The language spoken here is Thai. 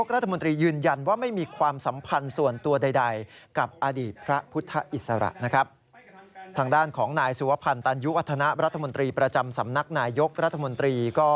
รัฐมนตรีของนายสุวพรรณตันยุอัฒนประจำสำนักครัฐมนตรี